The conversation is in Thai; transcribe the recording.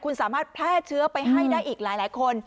คุณสามารถแพร่เชื้อไปให้ได้อีกหลายคน